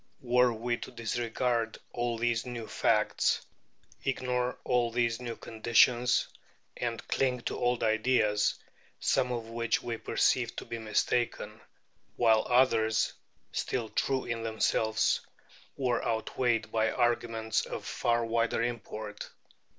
Were we to disregard all these new facts, ignore all these new conditions, and cling to old ideas, some of which we perceived to be mistaken, while others, still true in themselves, were out weighed by arguments of far wider import?